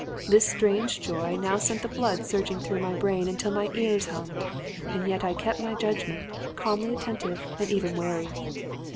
This strange joy now sent the blood surging through my brain until my ears hummed; and yet I kept my judgment, calmly attentive and even wary.